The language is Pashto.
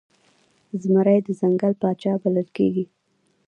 زمری د ځنګل پاچا بلل کیږي